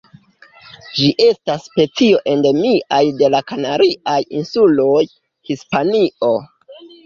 Ĝi estas specio endemia de la Kanariaj Insuloj, Hispanio.